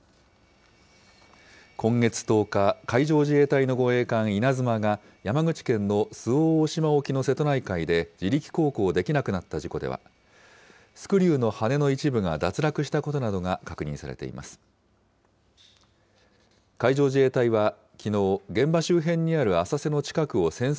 今月１０日、海上自衛隊の護衛艦いなづまが、山口県の周防大島沖の瀬戸内海で、自力航行できなくなった事故では、スクリューの羽根の一部が脱落したことなどが確認されています。